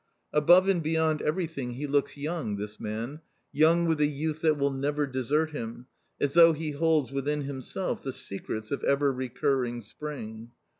Above and beyond everything he looks young, this man; young with a youth that will never desert him, as though he holds within himself "the secrets of ever recurring spring."